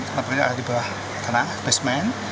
tempat parkir ada di bawah tanah basement